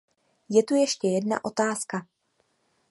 Je tu ještě jedna otázka.